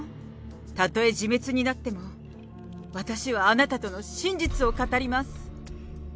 たとえ自滅になっても、私はあなたとの真実を語ります。